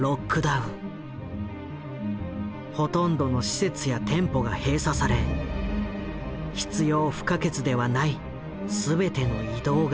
ロンドンをはじめほとんどの施設や店舗が閉鎖され必要不可欠ではない全ての移動が禁止。